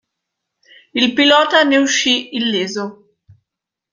Il pilota ne uscì illeso.